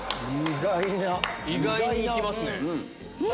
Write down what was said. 意外に行きますね。